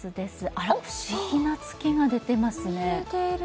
あら、不思議な月が出ていますね。